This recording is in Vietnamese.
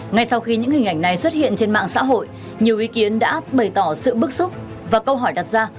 ngay sau khi những hình ảnh này xuất hiện trên mạng xã hội nhiều ý kiến đã bày tỏ sự bức xúc và câu hỏi đặt ra